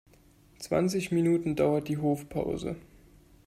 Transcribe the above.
Zwanzig Minuten dauert die Hofpause.